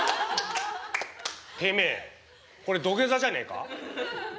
てめえこれ土下座じゃねえか？